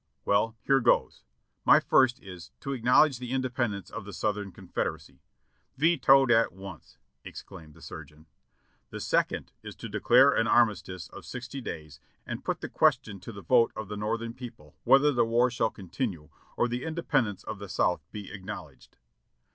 "Well, here goes! My first is, to acknowledge the independ ence of the Southern Confederacy." "Vetoed at once!" exclaimed the surgeon. "The second is to declare an armistice of sixty days and put the question to the vote of the Northern people whether the war shall continue or the independence of the South be acknowledged."